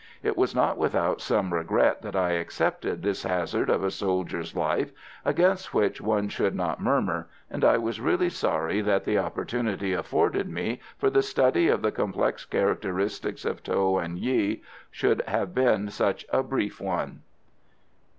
It was not without some regret that I accepted this hazard of a soldier's life, against which one should not murmur; and I was really sorry that the opportunity afforded me for the study of the complex characteristics of Tho and Nghi should have been such a brief one.